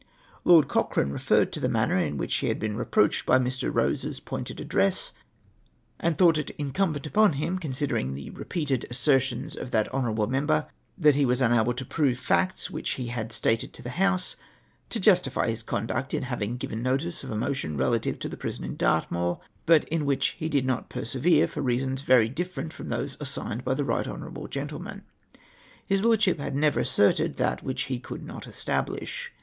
" Lord Cochrane referred to the manner in which lie had been reproached by Mr. Rose's pointed address, and thought ^RE^X•II PRISO^^ERS. 197 it incumbent upon him, considering the repeated assertions of tliat lion, member, that he was unal)le to prove facts whicli he had stated to the House, to justify his conduct in having given notice of a motion relative to the prison in Dartmoor ; but in which he did not persevere, for reasons very different from those assigned by the right lion, gentleman. His Lord ship had never asserted that which he could not establish.